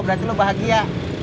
berarti lu bahagia